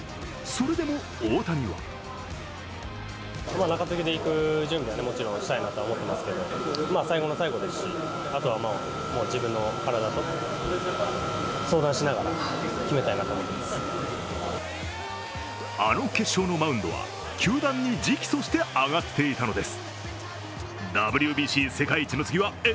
それでも大谷はあの決勝のマウンドは球団に直訴して上がっていたのです。